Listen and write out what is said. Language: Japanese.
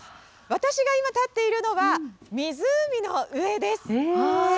私が今立っているのは、湖の上です。